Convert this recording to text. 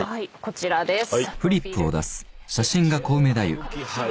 こちらですね。